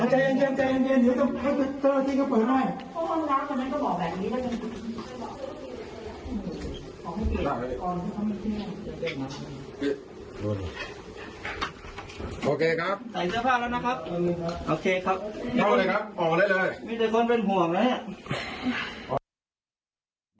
โอเคครับใส่เสื้อผ้าแล้วนะครับโอเคครับไม่ได้คนเป็นห่วงนะฮะ